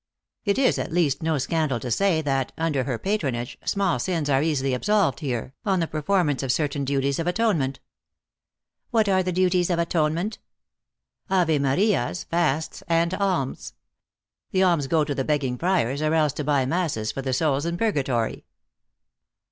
" It is, at least, no scandal to say that, under her patronage, small sins are easily absolved here, on the performance of certain duties of atonement." " What are the duties of atonement?" " Ave Marias, fasts, and alms. The alms go to the begging friars, or else to buy masses for the souls in purgatory."